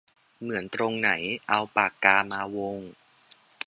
เหมือนตรงไหน เอาปากกามาวง